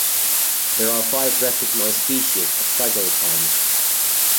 There are five recognized species of tragopans.